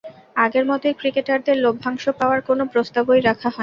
আগের মতোই ক্রিকেটারদের লভ্যাংশ পাওয়ার কোনো প্রস্তাবই রাখা হয়নি।